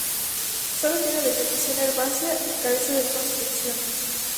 Sólo tiene vegetación herbácea y carece de construcciones.